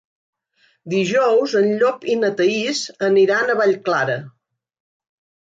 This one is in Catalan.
Dijous en Llop i na Thaís aniran a Vallclara.